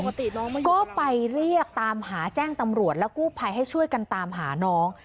น้องก็ไปเรียกตามหาแจ้งตำรวจและกู้ภัยให้ช่วยกันตามหาน้อง